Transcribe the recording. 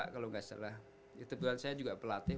kalau nggak salah itu tuan saya juga pelatih